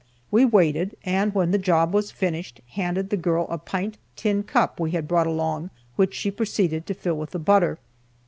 We waited, and when the job was finished, handed the girl a pint tin cup we had brought along, which she proceeded to fill with the butter.